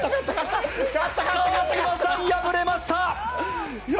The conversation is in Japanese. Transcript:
川島さん、敗れました！